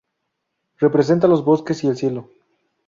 Representa los bosques y el cielo.